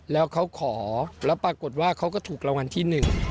แล้วเขาขอแล้วปรากฏว่าเขาก็ถูกราวรรณที่๑